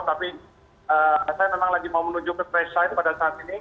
tapi saya memang lagi mau menuju ke tracide pada saat ini